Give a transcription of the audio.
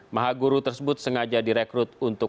maha guru tersebut sengaja direkrut untuk